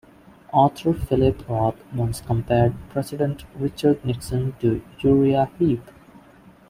Author Philip Roth once compared President Richard Nixon to Uriah Heep.